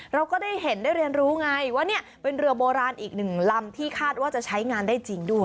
เราก็ได้เห็นได้เรียนรู้ไงว่าเนี่ยเป็นเรือโบราณอีกหนึ่งลำที่คาดว่าจะใช้งานได้จริงด้วย